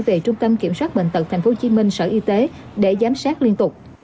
về trung tâm kiểm soát bệnh tật tp hcm sở y tế để giám sát liên tục